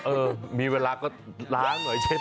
เออมีเวลาก็ล้างหน่อยใช่ไหม